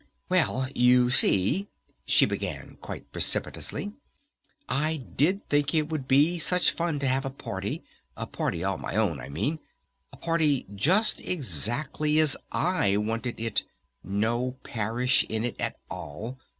"Well, you see," she began quite precipitously, "I did think it would be such fun to have a party! A party all my own, I mean! A party just exactly as I wanted it! No Parish in it at all!